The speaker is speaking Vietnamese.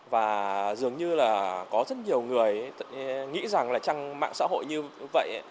và dường như là có rất nhiều người nghĩ rằng là trang mạng xã hội như vậy